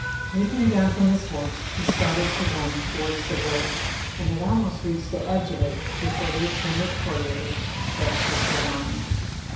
] Leaping down from his horse he started to run towards the wood, and had almost reached the edge of it before the attendant courtiers guessed his design.